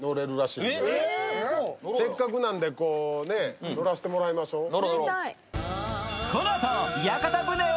せっかくなんで乗らせてもらいましょう。